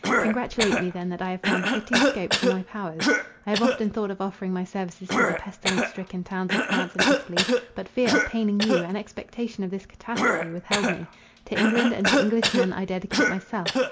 Congratulate me then that I have found fitting scope for my powers. I have often thought of offering my services to the pestilence stricken towns of France and Italy; but fear of paining you, and expectation of this catastrophe, withheld me. To England and to Englishmen I dedicate myself.